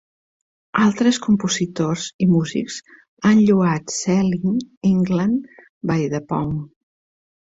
Altres compositors i músics han lloat "Selling England by the Pound".